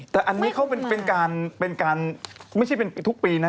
แต่อันนี้เขาเป็นการเป็นการไม่ใช่เป็นทุกปีนะ